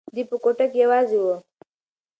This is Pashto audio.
دی په کوټه کې یوازې و.